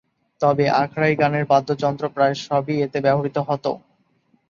তবে আখড়াই গানের বাদ্যযন্ত্র প্রায় সবই এতে ব্যবহূত হতো।